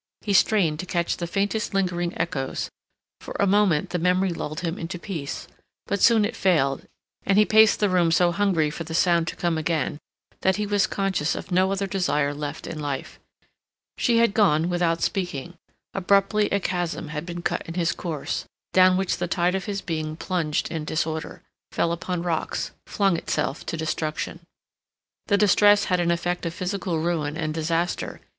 He strained to catch the faintest lingering echoes; for a moment the memory lulled him into peace; but soon it failed, and he paced the room so hungry for the sound to come again that he was conscious of no other desire left in life. She had gone without speaking; abruptly a chasm had been cut in his course, down which the tide of his being plunged in disorder; fell upon rocks; flung itself to destruction. The distress had an effect of physical ruin and disaster.